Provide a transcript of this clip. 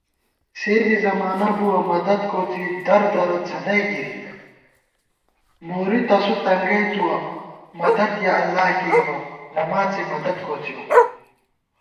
سےبی زمانہ بُوَہ، مددکوڅی دردرہ څھدَئی گِرِک * نوری تسُو تنگَئ تُوَہ، مدد یَہ اللہ کېئیبہ، نماڅےمدد کوڅِئیؤ